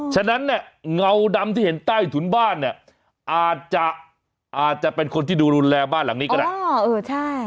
ฉะนั้นเนี่ยเงาดำที่เห็นใต้ถุนบ้านเนี่ยอาจจะอาจจะเป็นคนที่ดูรุนแรงบ้านหลังนี้ก็ได้